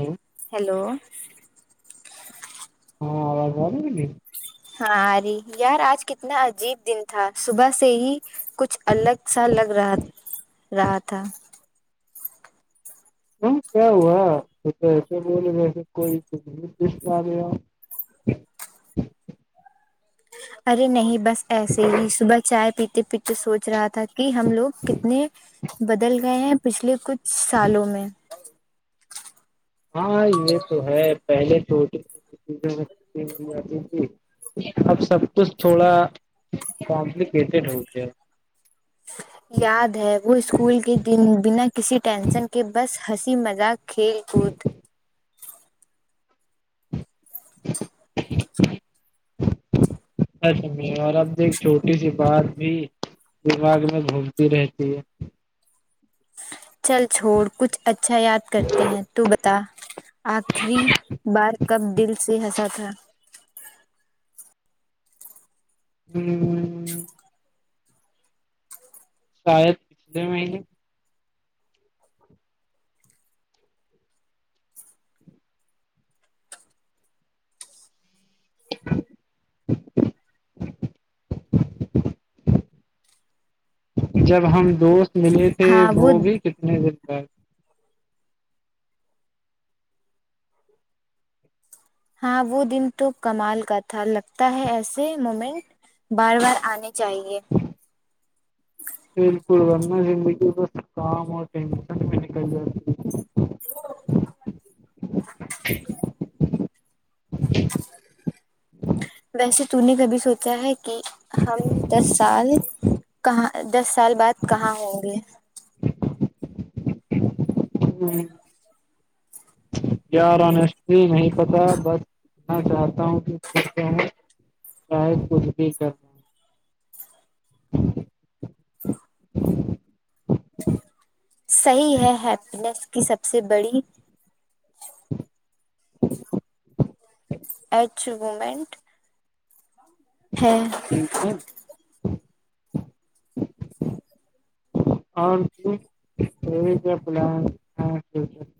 ہوں، ہیلو ہاں آواز آرہی ہے میری ہاں اری یار آج کتنا عجیب دن تھا صبح سے ہی کچھ الگ سا لگ رہا رہا تھا ہاں کیا ہوا تو تو ایسے بولرہی جیسے کوئی [unintelligible] ارے نہیں بس ایسے ہی صبح چائے پیتے پیتے سوچ رہا تھا کہ ہم لوگ کتنے بدل گئے ہیں پچھلے کچھ سالوں میں ہاں یہ تو ہے پہلے چھوٹی چھوٹی چیزوں میں خوشی مل جاتی تھی اب سب کچھ تھوڑا کمپلیکیٹڈ ہوگیا ہیں یاد ہے وہ اسکول کے دن بنا کسی ٹینسن کے بس ہنسی مذاق کھیل کود ا اور اب دیکھو چھوٹی سی بات بھی دماغ میں گھومتی رہتی ہے چل چھوڑ کچھ اچھا یاد کرتے ہیں تو بتا آخری بار کب دل سے ہنسا تھا ہوں شاید پچھلے مہینے جب ہم دوست ملے تھے وہ بھی کتنے دن بعد ہاں وہ دن تو کمال کا تھا لگتا ہے ایسے مومنٹ بار بار آنے چاہیے بالکل ورنہ زندگی بس کام اور ٹینشن میں نکل جاتی ہے ویسے تو نے کبھی سوچا ہے کہ ہم دس سال کہاں دس سال بعد کہاں ہوں گے ہاں یار ہونیسٹلی نہیں پتا بس اتنا جانتا ہوں کہ چاہے کچھ بھی کرنا صحیح ہے ہیپنیس کی سب سے بڑی ارچیومنٹ ہے ہوں اور [unintelligible] کیا پلان [unintelligible]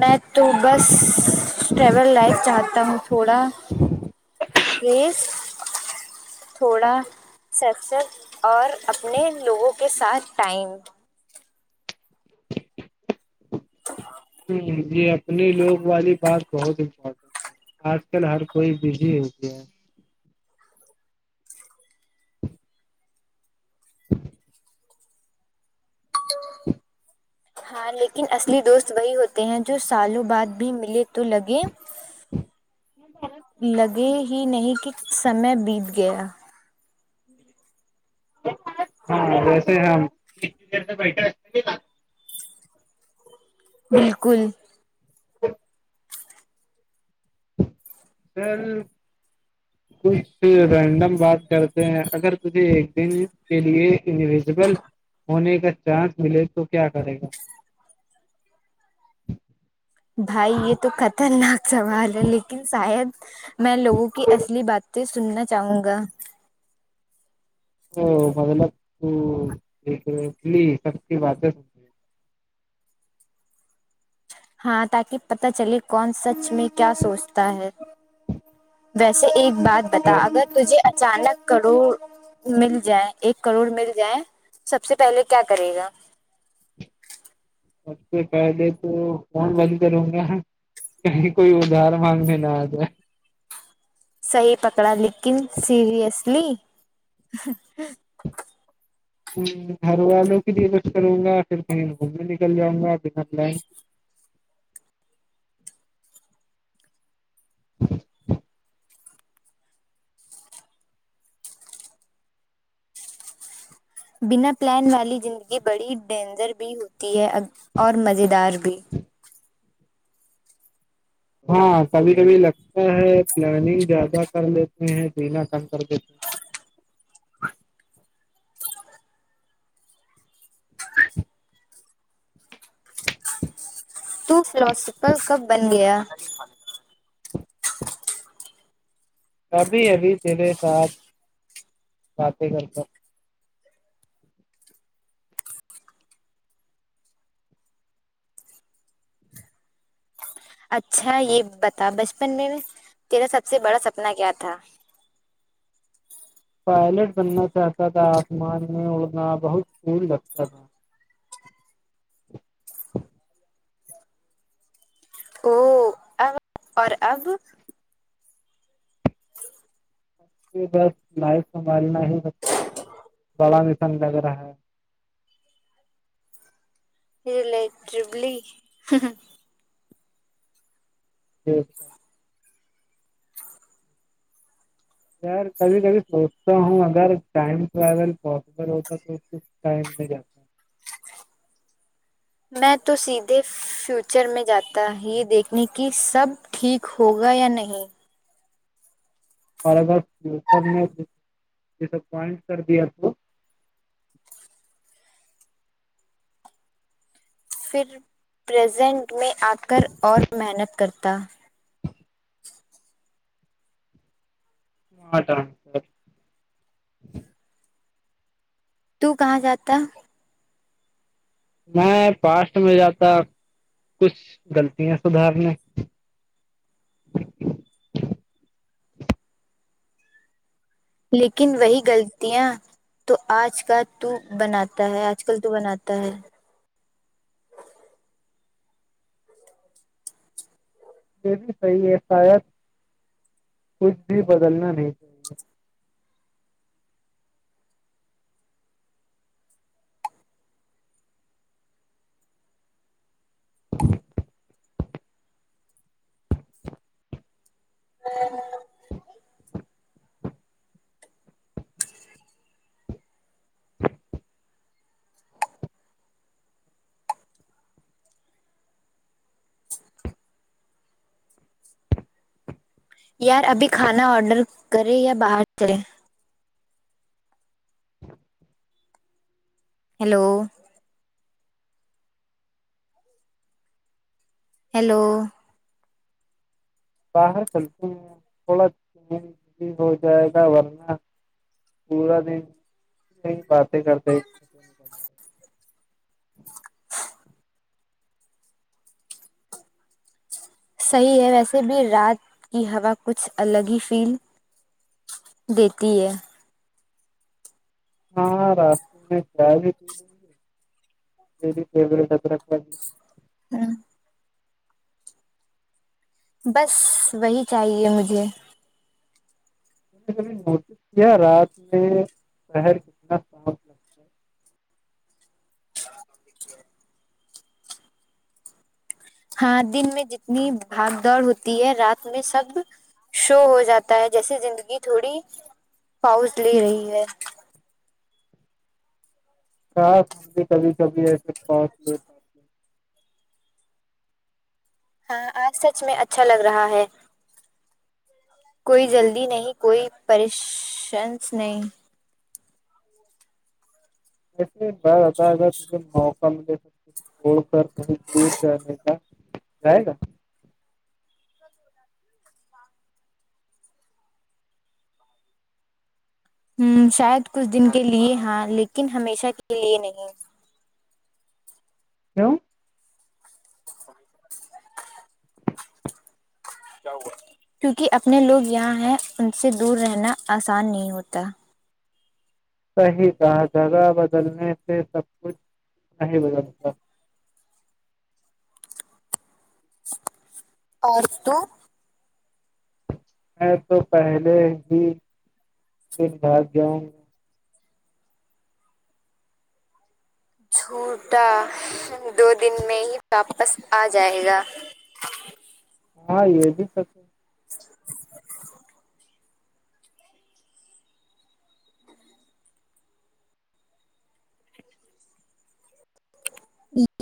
میں تو بس ٹریول لائف چاہتا ہوں تھوڑا بیس تھوڑا سیکسس اور اپنے لوگوں کے ساتھ ٹائم ہمم یہ اپنے لوگ والی بات بہت امپورٹنٹ ہے آج کل ہر کوئی بزی ہو گیا ہے ہاں لیکن اصلی دوست وہی ہوتے ہیں جو سالوں بعد بھی ملے تو لگے لگے ہی نہیں کہ سمے بیت گیا ہاں ویسے ہم [unintelligible] بالکل پھر کچھ رینڈم بات کرتے ہیں اگر تجھے ایک دن کے لیے انوزیبل ہونے کا چانس ملے تو کیا کرے گا بھائی یہ تو خطرناک سوال ہے لیکن شاید میں لوگوں کی اصلی بات تو سننا چاہوں گا تو مطلب [unintelligible] سب کی بات ہاں تاکہ پتا چلے کون سچ میں کیا سوچتا ہے ویسے ایک بات بتا ہے۔ اگر تجھے اچانک کرور مل جائے ایک کروڑ مل جائے سب سے پہلے کیا کرے گا سب سے پہلے تو فون بند کروں گا کہیں کوئی ادھار مانگنے نہ آجائے ہے صحیح پکڑا لیکن سیریسلی گھر والوں کے لیے کچھ کروں گا پھر کہیں گھومنے نکل جاؤں گا بنا پلان والی جندگی بڑی ڈینجر بھی ہوتی ہے اور مزے دار بھی ہاں کبھی کبھی لگتا ہے پلاننگ زیادہ کر لیتے ہیں جینا کم کر دیتے تو فلوسفر کب بن گیا ابھی ابھی تیرے ساتھ باتیں کر کر اچھا یہ بتا بچپن میں تیرا سب سے بڑا سپنا کیا تھا پائلٹ بننا چاہتا تھا آسمان میں اڑنا بہت پول لگتا تھا او ا اور اب بس لائف سنبھالنا ہی بڑا مسن لگ رہا ہے [unintelligible] جی یار کبھی کبھی سوچتا ہوں اگر ٹائم ٹریول پوسسیبل ہوتا تو اس ٹائم بھی جا میں تو سیدھی فیوچر میں جاتا ہے یہ دیکھنے کی سب ٹھیک ہوگا یا نہیں اور اگر فیوچر نے ڈسپوینٹ کر دیا تو پھر پرزینٹ میں آ کر اور محنت کرتا [unintelligible] تو کہاں جاتا میں پاسٹ میں جاتا کچھ غلطیاں سدھارنے لیکن وہی غلطیاں تو آج کل تو بناتا ہے آج کل تو بناتا ہے یہ بھی صحیح ہے شاید کچھ بھی بدلنا نہیں تھا یار ابھی کھانا آڈر کریں یا باہر چلیں ہیلو ہیلو باہر چلتے ہیں تھوڑا گھوم بھی ہو جائے گا ورنہ پورا دن یہی باتیں کرتے نکل جائے صحیح ہے ویسے بھی رات کی ہوا کچھ الگ ہی فیل دیتی ہے ہاں راستے میں چائے [unintelligible] بھی میری فیوریٹ ادرک ہ بس وہی چاہیے مجھے کبھی نوٹس کیا رات میں شہر کتنا خوب ہاں دن میں جتنی بھاگ دوڑ ہوتی ہے رات میں سب شو ہو جاتا ہے جیسے زندگی تھوڑی پؤز لے رہی ہے شاید ہم بھی کبھی کبھی ایسے پوز لے پاتے ہیں۔ ہاں آج سچ میں اچھا لگ رہا ہے کوئی جلدی نہیں کوئی پریشنس نہیں ویسے ایک بات بتاؤں اگر تجے موقع ملے تو چڑ کریں دور جانے کا جائے گا ہوں شاید کچھ دن کے لیے ہاں لیکن ہمیشہ کے لیے نہیں ہلو کیا ہوا کیونکہ اپنے لوگ یہاں ہیں ان سے دور رہنا آسان نہیں ہوتا صحیح کہا جگہ بدلنے سے سب کچھ نہیں بدلتا اور تو میں تو پہلے ہی دن بھاگیہ ہوں جھوٹا دو دن میں ہی واپس آجائے گا ہاں یہ بھی سچ [inaudible]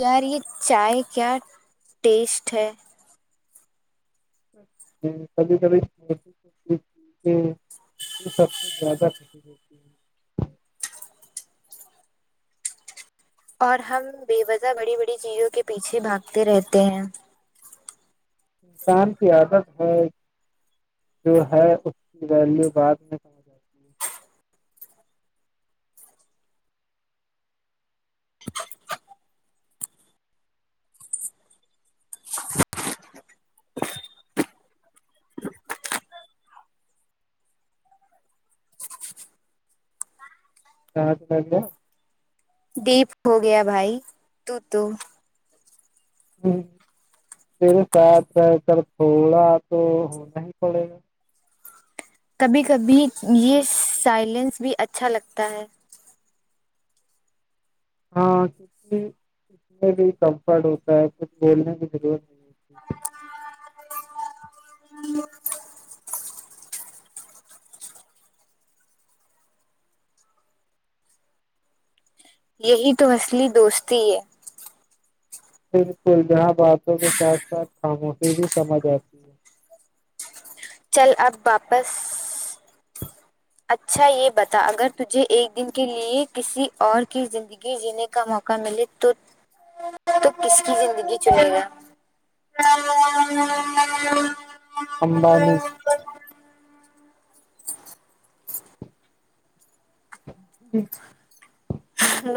یار یہ چائے کیا ٹیسٹ ہے کبھی کبھی [unintelligible] یہ سب سے زیادہ خوشی ہے اور ہم بے وجہ بڑی بڑی چیزوں کے پیچھے بھاگتے رہتے ہیں انسان کی عادت ہے جو ہے اس کی ویلیو بعد میں سمجھ آتی ہے [unintelligible] ڈیپ ہو گیا بھائی تو تو ہوں تیرے ساتھ رہ کر تھوڑا تو ہونا ہی پڑے گا کبھی کبھی یہ سائلینس بھی اچھا لگتا ہے ہاں [unintelligible] میں بھی کمفرٹ ہوتا ہے کچھ بولنے میں ضرور یہی تو اصلی دوستی ہے بالکل جہاں باتوں کے ساتھ ساتھ خاموشی بھی سمجھ آتی ہے چل اب واپس اچھا یہ بتا اگر تجھے ایک دن کے لیے کسی اور کی زندگی زگی جینے کا موقع ملے تو تو کس کی زندگی چنے گا امبانی جی [inaudible]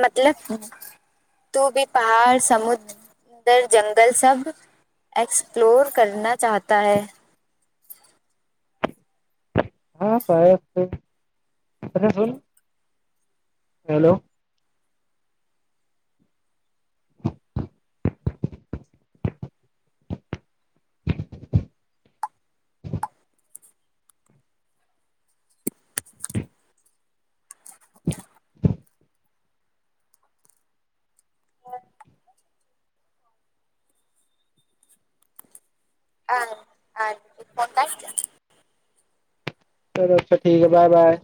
مطلب تو بھی پہاڑ سمندر اندر جنگل سب ایکسپلور کرنا چاہتا ہے [unintelligible] ہیلو [unintelligible] چلو اچھا ٹھیک ہے بائے بائے